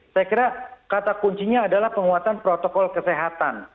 saya kira kata kuncinya adalah penguatan protokol kesehatan